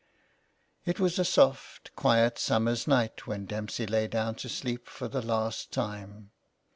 It was a soft, quiet summer's night when Dempsey lay down to sleep for the last time.